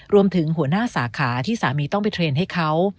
หัวหน้าสาขาที่สามีต้องไปเทรนด์ให้เขา